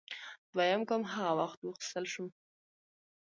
دویم ګام هغه وخت واخیستل شو